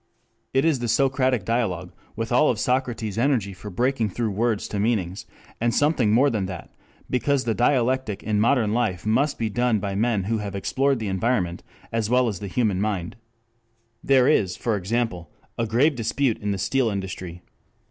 It is the Socratic dialogue, with all of Socrates's energy for breaking through words to meanings, and something more than that, because the dialectic in modern life must be done by men who have explored the environment as well as the human mind. There is, for example, a grave dispute in the steel industry.